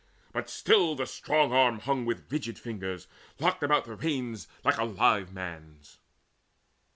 But still the strong arm hung With rigid fingers locked about the reins Like a live man's.